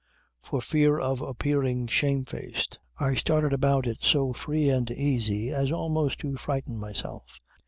For fear of appearing shamefaced I started about it so free and easy as almost to frighten myself.